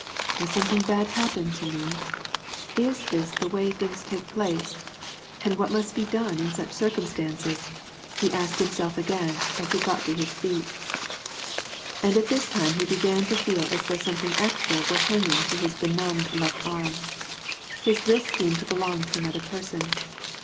" Has something bad happened to me ? Is this the way things take place, and what must be done in such circumstances ?" he asked himself again, as he got to his feet ; and at this time he began to feel as though soraothing extra were hanging to his benumbed loft arm. His wrist seemed to belong to another person.